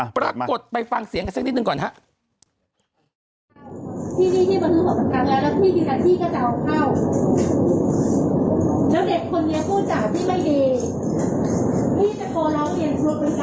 ปรากฏไปฟังเสียงกันสักนิดหนึ่งก่อนครับ